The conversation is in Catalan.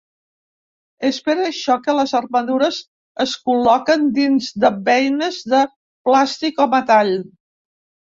És per això que les armadures es col·loquen dins de beines de plàstic o metall.